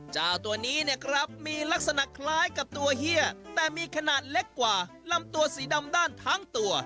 เจ้าตัวนี้เนี่ยครับมีลักษณะคล้ายกับตัวเฮียแต่มีขนาดเล็กกว่าลำตัวสีดำด้านทั้งตัว